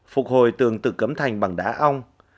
phục hồi tường từ cấm thành bằng đá ong